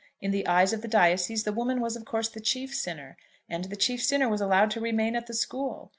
In the eyes of the diocese the woman was of course the chief sinner, and the chief sinner was allowed to remain at the school!